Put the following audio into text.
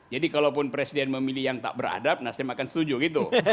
jadi kalaupun presiden memilih yang tak beradab nasdem akan setuju gitu